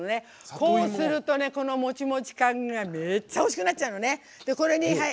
こうすると、もちもち感がめっちゃおいしくなっちゃうのね。